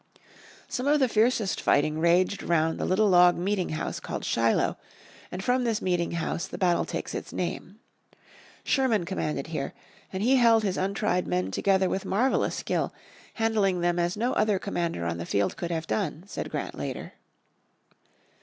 Some of the fiercest fighting raged round the little log meeting house called Shiloh, and from this meeting house the battle takes its name. Sherman commanded here, and he held his untried men together with marvelous skill, handling them as no other commander on the field could have done, said Grant later.